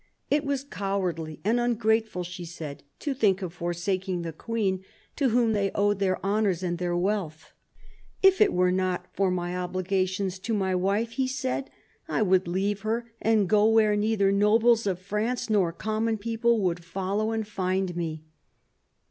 It was cowardly and ungrateful, she said, to think of forsaking the Queen, to whom they owed their honours and their wealth. " If it were not for my obligations to my wife," he said, " I would leave her, and go where neither nobles of France nor common people would follow and filnd me."